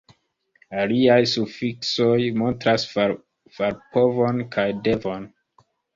Aliaj sufiksoj montras farpovon kaj devon.